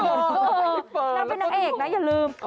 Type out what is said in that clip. นางเป็นนางเอกนะอย่าลืม